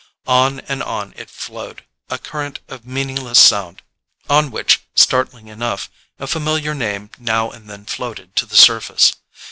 On and on it flowed, a current of meaningless sound, on which, startlingly enough, a familiar name now and then floated to the surface.